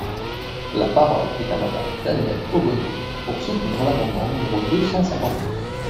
La parole est à Madame Danièle Obono, pour soutenir l’amendement numéro deux cent cinquante-neuf.